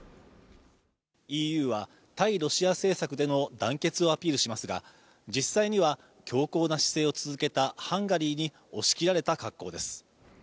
ＥＵは対ロシア政策での団結をアピールしますがじっさいには強硬な姿勢を続けたハンガリーに押し切られた格好です。